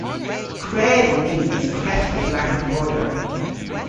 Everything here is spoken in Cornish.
Krev on ni mes kreffa yw agan broder.